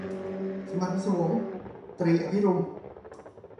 สัมผัสพิศวง - ตรี อภิรุม